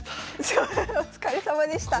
お疲れさまでした。